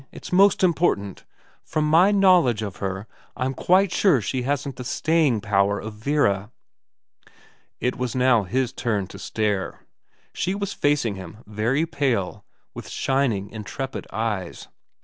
It's most important. From my knowledge of her, I'm quite sure she hasn't the staying power of Vera.' It was now his turn to stare. She was facing him, very pale, with shining, intrepid eyes.